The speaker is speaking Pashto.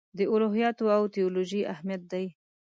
د الهیاتو او تیولوژي اهمیت دی.